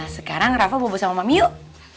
sekarang rafa bubu sama mami yuk